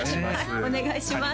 お願いします